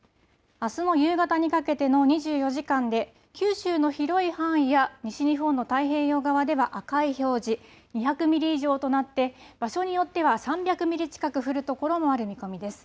あすの夕方にかけての２４時間で九州の広い範囲や西日本の太平洋側では赤い表示２００ミリ以上となって場所によっては３００ミリ近く降る所もある見込みです。